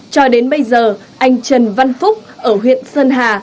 cho đến bây giờ anh trần văn phúc ở huyện sơn hà